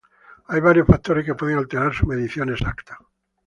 Hay varios factores que pueden alterar su medición exacta.